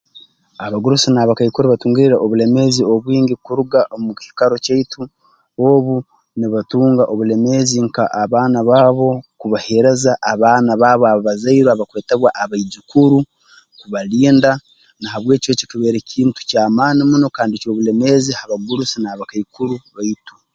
Abagurusi n'abakaikuru batungire obulemeezi obwingi kuruga omu kiikaro kyaitu obu nibatunga obulemeezi nka abaana baabo kubaheereza abaana baabo aba bazaire abakwetebwa abaijukuru kubalinda na habweki eki kibaire kintu ky'amaani muno kandi ky'obulemeezi ha bagurusi n'abakaikuru baitu